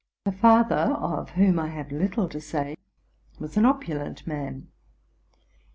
The father, of whom I have little to say, was an opulent man.